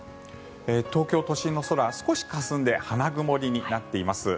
東京都心の空、少しかすんで花曇りになっています。